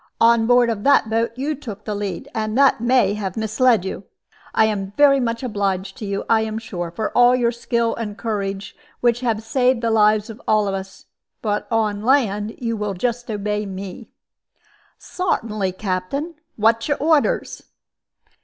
On board of that boat you took the lead, and that may have misled you. I am very much obliged to you, I am sure, for all your skill and courage, which have saved the lives of all of us. But on land you will just obey me." "Sartinly, Captain. What's your orders?"